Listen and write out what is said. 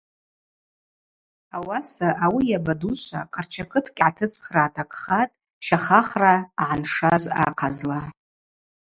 Ауаса ауи йабадучва къарча кыткӏ йгӏатыцӏхра атахъхатӏ щахахра ъагӏаншаз ахъазла.